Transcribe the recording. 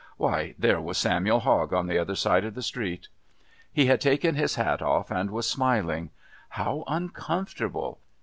Why, there was Samuel Hogg on the other side of the street! He had taken his hat off and was smiling. How uncomfortable!